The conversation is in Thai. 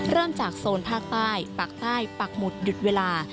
เริ่มจากโซนภาคใต้ปากใต้ปักหมุดหยุดเวลา